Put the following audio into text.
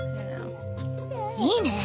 いいね！